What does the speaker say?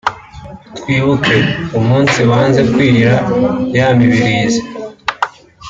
’Twibuke Umunsi Wanze Kwira’ ya Mibirizi